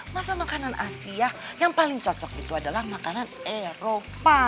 masa makanan asia yang paling cocok itu adalah makanan eropa